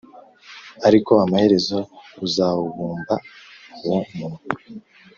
ariko amaherezo uzawubumba uwo munwa